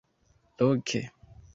Loke.